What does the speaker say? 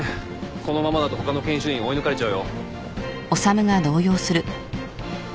このままだと他の研修医に追い抜かれちゃうよ。